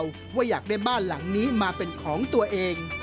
เพราะว่าอยากได้บ้านหลังนี้มาเป็นของตัวเอง